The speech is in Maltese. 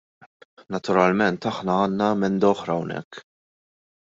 Naturalment aħna għandna emenda oħra hawnhekk.